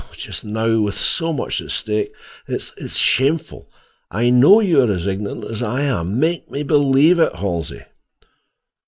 "Just now, with so much at stake, it—is shameful. I know you are as ignorant as I am. Make me believe it, Halsey."